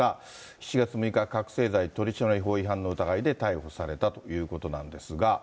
７月６日、覚醒剤取締法違反の疑いで逮捕されたということなんですが。